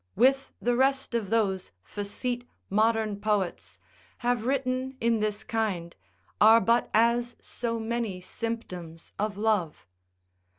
with the rest of those facete modern poets, have written in this kind, are but as so many symptoms of love.